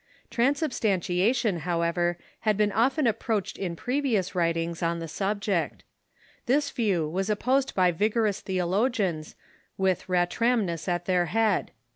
Transubstantiation, how ever, had been often approached in previous Avritings on the subject. This view was opposed by vigorous theologians, with Ratramnus at their head.